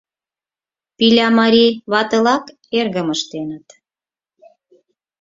Пилямари ватылак эргым ыштеныт